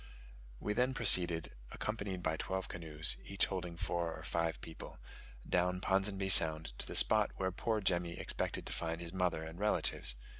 We then proceeded (accompanied by twelve canoes, each holding four or five people) down Ponsonby Sound to the spot where poor Jemmy expected to find his mother and relatives.